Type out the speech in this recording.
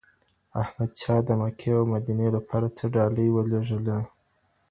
احمد شاه د مکي او مدینې لپاره څه ډالۍ ولېږلې؟